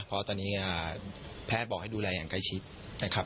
เพราะตอนนี้แพทย์บอกให้ดูแลอย่างใกล้ชิดนะครับ